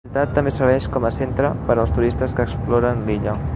La ciutat també serveix com a centre per als turistes que exploren l'illa.